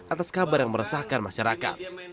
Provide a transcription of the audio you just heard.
atas kabar yang meresahkan masyarakat